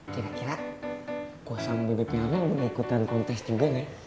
kira kira gue sama bebek yana boleh ikutan kontes juga gak ya